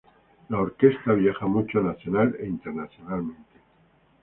La orquesta viaja mucho nacional e internacionalmente.